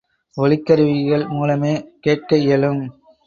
ஒலிக்கருவிகள் மூலமே கேட்க இயலும்.